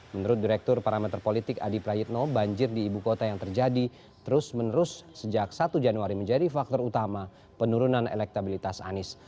menurut direktur parameter politik adi prayitno banjir di ibu kota yang terjadi terus menerus sejak satu januari menjadi faktor utama penurunan elektabilitas anies